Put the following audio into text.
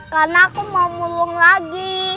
karena aku mau mulung lagi